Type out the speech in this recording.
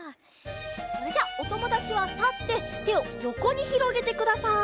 それじゃあおともだちはたっててをよこにひろげてください。